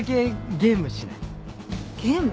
ゲーム？